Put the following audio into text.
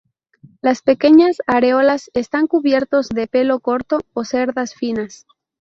Las pequeñas areolas están cubiertos de pelo corto o cerdas finas.